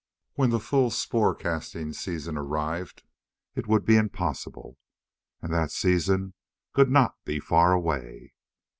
When the full spore casting season arrived, it would be impossible. And that season could not be far away.